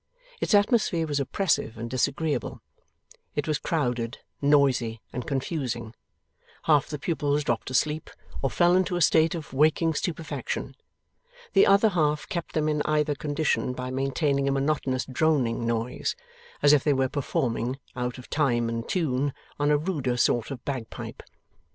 Its atmosphere was oppressive and disagreeable; it was crowded, noisy, and confusing; half the pupils dropped asleep, or fell into a state of waking stupefaction; the other half kept them in either condition by maintaining a monotonous droning noise, as if they were performing, out of time and tune, on a ruder sort of bagpipe.